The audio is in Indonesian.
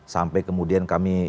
sampai kemudian kami